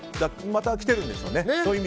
また来てるんでしょうね。